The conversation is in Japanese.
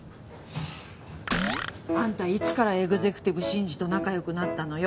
あんたいつからエグゼクティブ真二と仲良くなったのよ！